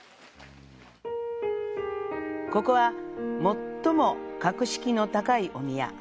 ここは最も格式の高いお宮。